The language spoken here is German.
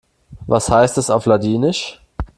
Was heißt das auf Ladinisch?